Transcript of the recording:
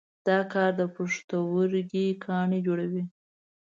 دا کار د پښتورګي کاڼي جوړوي.